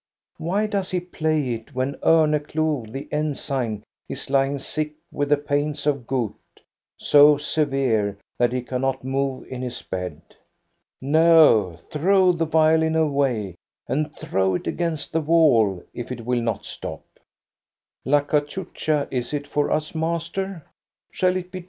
Why does he play it, when Omeclou, the ensign, is lying sick with the pains of gout, so severe that he cannot move in his bed? No ; 78 THE STORY OF GOSTA BERLIJNG their,, the violin away and throw it against the wall gejfc'will not stop. 'La cachucha, is it for us, master? Shall it be